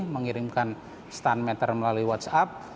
mengirimkan stand meter melalui whatsapp